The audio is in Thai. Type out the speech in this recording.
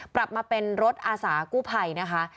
ปรับมาเป็นรถอาสากู้ภัยนะคะ